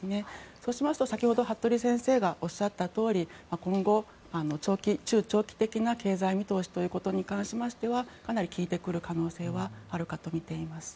そうしますと、先ほど服部先生がおっしゃったとおり今後、中長期的な経済見通しということに関してはかなり効いてくる可能性はあるかとみています。